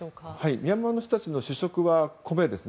ミャンマーの人たちの主食は米ですね。